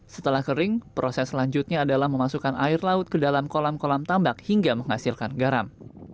setelah kering proses selanjutnya adalah memasukkan air laut ke dalam kolam kolam tambak hingga menghasilkan garam